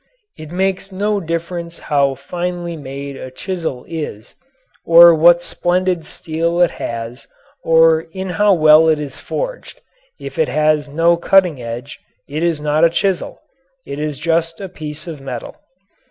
It makes no difference how finely made a chisel is or what splendid steel it has in it or how well it is forged if it has no cutting edge it is not a chisel. It is just a piece of metal.